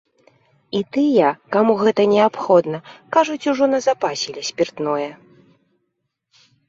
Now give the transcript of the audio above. І тыя, каму гэта неабходна, кажуць, ужо назапасілі спіртное.